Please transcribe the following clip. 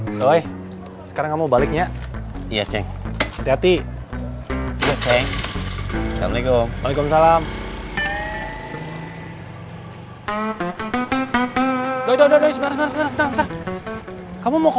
masa tidak ada hubungannya dengan konspirasi global